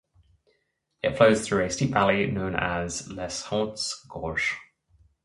It flows through a steep valley known as Les Hautes Gorges.